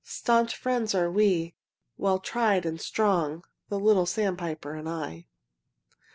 Stanch friends are we, well tried and strong, The little sandpiper and I.